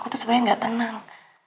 aku tuh sebenernya gak tenang